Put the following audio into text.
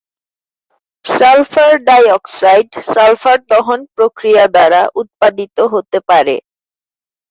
Sulphur dioxide sulphur দহন প্রক্রিয়া দ্বারা উৎপাদিত হতে পারে।